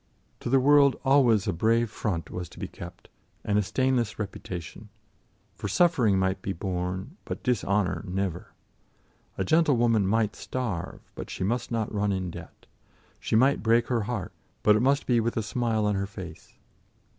To the world always a brave front was to be kept, and a stainless reputation, for suffering might be borne but dishonour never. A gentlewoman might starve, but she must not run in debt; she might break her heart, but it must be with a smile on her face.